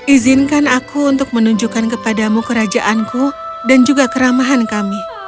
izinkan aku untuk menunjukkan kepadamu kerajaanku dan juga keramahan kami